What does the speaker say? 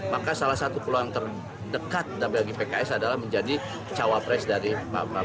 maka salah satu peluang terdekat bagi pks adalah menjadi cawapres dari pak prabowo